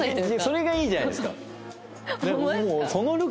それがいいじゃないですか！